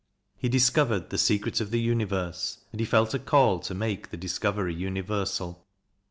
He discovered the secret of the Universe, and he felt a call to make the discovery universal.